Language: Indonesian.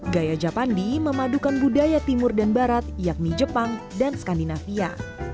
gaya japandi memadukan budaya timur dan barat yakni jepang dan skandinavia